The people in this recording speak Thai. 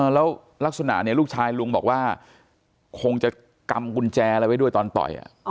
แล้วลักษณะเนี่ยลูกชายลุงบอกว่าคงจะกำกุญแจอะไรไว้ด้วยตอนต่อย